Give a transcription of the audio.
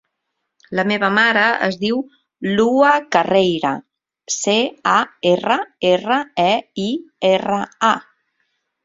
La meva mare es diu Lua Carreira: ce, a, erra, erra, e, i, erra, a.